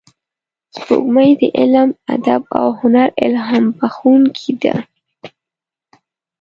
سپوږمۍ د علم، ادب او هنر الهام بخښونکې ده